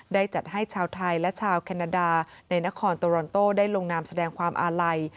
จัดให้ชาวไทยและชาวแคนาดาในนครโตรอนโต้ได้ลงนามแสดงความอาลัย